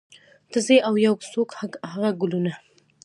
ته ځې او یو څوک هغه ګلونه